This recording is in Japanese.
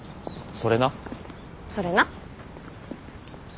それな。